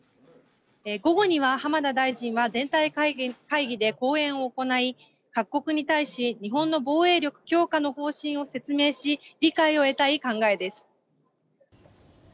午後には浜田大臣は全体会議で講演を行い、各国に対し日本の防衛力強化の方針を説明し理解を得たい考えです。